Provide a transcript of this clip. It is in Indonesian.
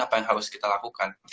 apa yang harus kita lakukan